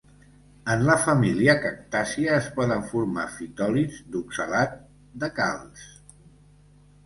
En la família cactàcia es poden formar fitòlits d'oxalat de calç.